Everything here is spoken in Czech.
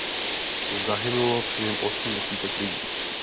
Zahynulo při něm osm desítek lidí.